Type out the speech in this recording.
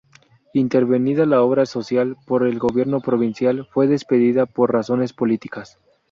Intervenida la obra social por el gobierno provincial, fue despedida por razones políticas.